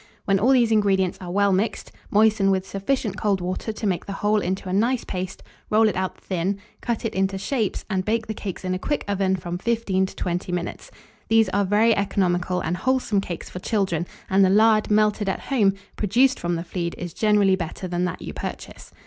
When all these ingredients are well mixed, moisten with sufficient cold water to make the whole into a nice paste; roll it out thin, cut it into shapes, and bake the cakes in a quick oven from 15 to 20 minutes. These are very economical and wholesome cakes for children, and the lard, melted at home, produced from the flead, is generally better than that you purchase.